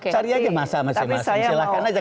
cari aja masa masing masing